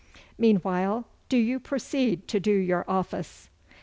Meanwhile, do you proceed to do your office.